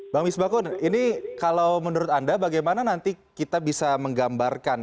bang misbakun ini kalau menurut anda bagaimana nanti kita bisa menggambarkan